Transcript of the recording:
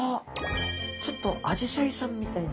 ちょっとアジサイさんみたいな。